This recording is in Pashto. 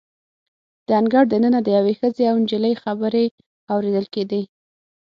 د انګړ د ننه د یوې ښځې او نجلۍ خبرې اوریدل کیدې.